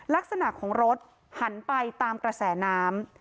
ลักษณะของรถหันไปตามกระแสน้ำ